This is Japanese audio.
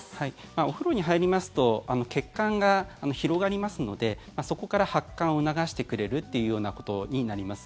お風呂に入りますと血管が広がりますのでそこから発汗を促してくれるっていうようなことになります。